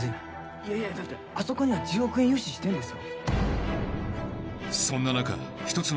いやいやだってあそこには１０億円融資してるんですよ。